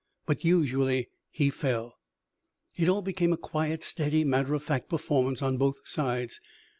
But usually he fell. It all became a quiet, steady, matter of fact performance on both sides.